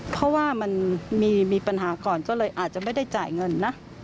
เพราะว่ามันมีปัญหาก่อนก็เลยอาจจะไม่ได้จ่ายเงินนะ